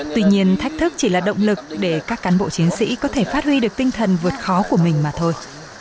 tuy nhiên thách thức chỉ là động lực để các cán bộ chiến sĩ có thể phát huy được tinh thần vượt khó của mình mà thôi